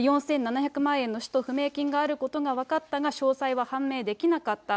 ４７００万円の使途不明金があることが分かったが、詳細は判明できなかった。